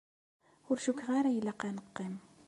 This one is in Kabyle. Ur cukkeɣ ara ilaq ad neqqim.